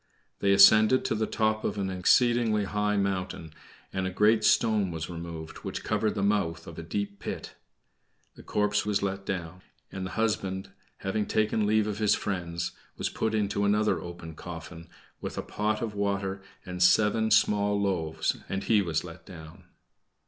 They ascended to the top of an exceedingly high mountain, and a great stone was removed, which covered the mouth of a deep pit. The corpse was let down, and the husband, having taken leave of his friends, was put into another open coffin, with a pot of water and seven small loaves, and he was let down.